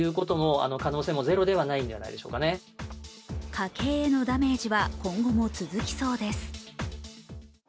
家計へのダメージは今後も続きそうです。